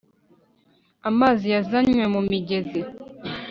Amazi yazanywe mu mugezi